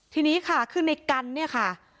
ทีนี้ค่ะคือในกันเนี่ยค่ะ